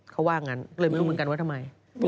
เขาว่างั้นก็เลยไม่รู้เหมือนกันว่าทำไม